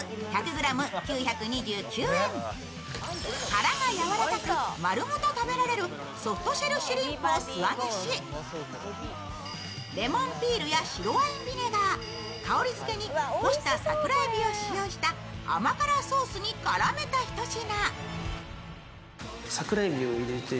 からがやわらかく、丸ごと食べられるソフトシェルシュリンプを素揚げし、レモンピールや白ワインビネガー、香りづけに干した桜海老を使用した甘辛ソースに絡めたひと品。